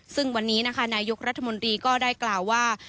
ซึ่งวันนี้นะคะนายกรัฐมนตรีก็ได้กล่าวว่า